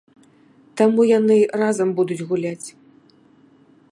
Таму яны разам будуць гуляць.